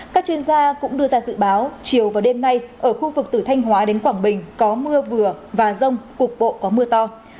các chuyên gia cũng đưa ra dự báo chiều và đêm nay ở khu vực từ thanh hóa đến quảng bình có mưa vừa và rông cục bộ có mưa to